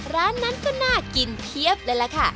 ร้านนั้นก็น่ากินเพียบเลยล่ะค่ะ